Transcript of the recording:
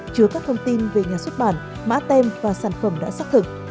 chứa các thông tin về nhà xuất bản mã tem và sản phẩm đã xác thực